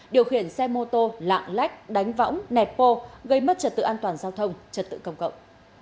điều khiển xe mô tô lạng lách đánh võng nẹp bô gây mất trật tự an toàn giao thông trật tự công cộng